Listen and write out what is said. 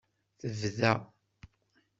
Tebda.